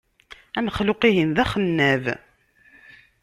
Amexluq-ihin d axennab.